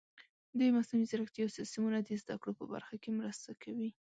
د مصنوعي ځیرکتیا سیستمونه د زده کړو په برخه کې مرسته کوي.